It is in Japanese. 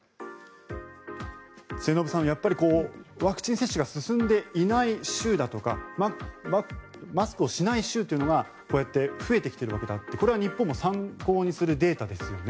末延さん、やっぱりワクチン接種が進んでいない州だとかマスクをしない州というのがこうやって増えてきているわけでこれは日本も参考にするデータですよね。